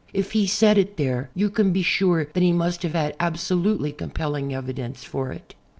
If he said it there you can be sure that he must have had absolutely compelling evidence for it.